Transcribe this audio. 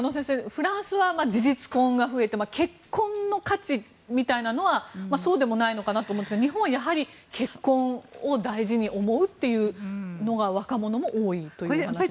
フランスは事実婚が増えて結婚の価値みたいなのはそうでもないのかなと思うんですが日本はやはり結婚を大事に思うというのが若者も多いというお話でした。